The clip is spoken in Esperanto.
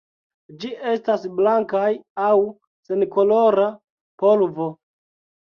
Ĝi estas blankaj aŭ senkolora polvo.